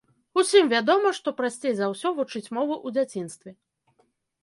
Усім вядома, што прасцей за ўсё вучыць мову ў дзяцінстве.